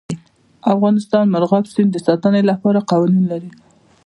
افغانستان د مورغاب سیند د ساتنې لپاره قوانین لري.